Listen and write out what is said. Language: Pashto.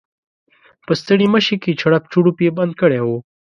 په ستړيمشې کې چړپ چړوپ یې بند کړی و.